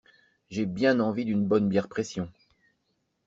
J'ai bien envie d'une bonne bière pression.